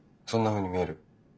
そんなふうに見える？